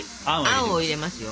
あんを入れますよ。